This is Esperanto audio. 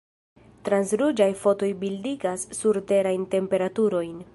Transruĝaj fotoj bildigas surterajn temperaturojn.